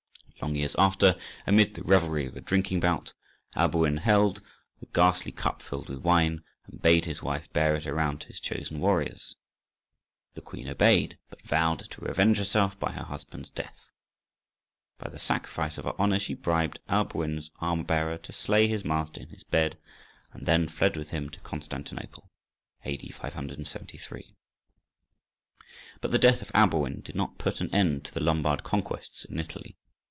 Long years after, amid the revelry of a drinking bout, Alboin had the ghastly cup filled with wine, and bade his wife bear it around to his chosen warriors. The queen obeyed, but vowed to revenge herself by her husband's death. By the sacrifice of her honour she bribed Alboin's armour bearer to slay his master in his bed, and then fled with him to Constantinople [A.D. 573]. But the death of Alboin did not put an end to the Lombard conquests in Italy.